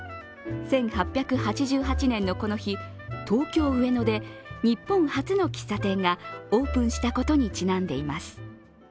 １８８８年のこの日、東京・上野で日本初の喫茶店がオープンしたことにちなんでいます。